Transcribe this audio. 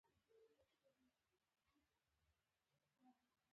اسماعیل کله چې حکومت ټینګ کړ جنګ ته ور ودانګل.